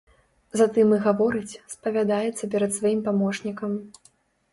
Затым і гаворыць, спавядаецца перад сваім памочнікам.